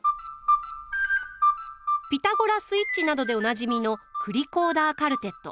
「ピタゴラスイッチ」などでおなじみの栗コーダーカルテット。